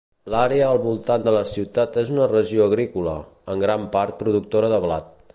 L'àrea al voltant de la ciutat és una regió agrícola, en gran part productora de blat.